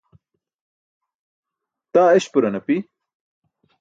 taa eśpuran api